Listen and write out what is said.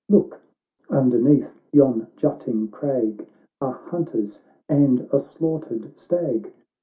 Look, underneath yon jutting crag Are hunters and a slaughtered stag.